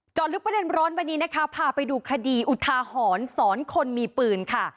ลึกประเด็นร้อนวันนี้นะคะพาไปดูคดีอุทาหรณ์สอนคนมีปืนค่ะ